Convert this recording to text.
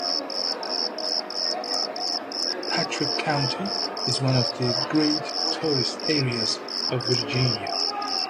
Patrick County is one of the great tourist areas of Virginia.